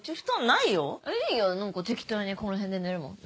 いいよ何か適当にこの辺で寝るもんね？